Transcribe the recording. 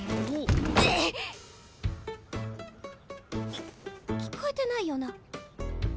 き聞こえてないよな？